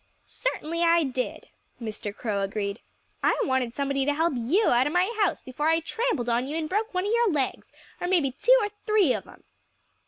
"Certainly I did," Mr. Crow agreed. "I wanted somebody to help you out of my house, before I trampled on you and broke one of your legs or maybe two or three of 'em."